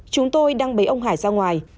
chúng tôi đăng bế ông hải ra ngoài